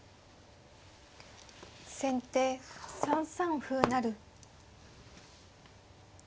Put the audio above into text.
先手３三歩成。